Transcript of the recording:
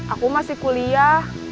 aku masih kuliah